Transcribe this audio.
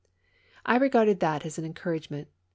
I regarded that as an encouragement.